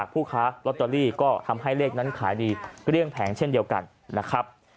ผู้ค้าลอตเตอรี่ก็ทำให้เลขนั้นขายดีเกลี้ยงแผงเช่นเดียวกันนะครับ